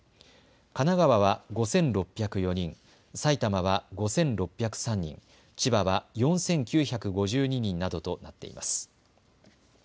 神奈川は５６０４人、埼玉は５６０３人、千葉は４９５２人などとなっています。